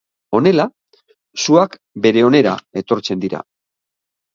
Honela, suak bere onera etortzen dira.